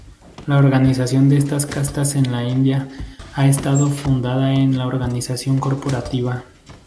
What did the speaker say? La organización en castas en la India ha estado fundada en la organización corporativa.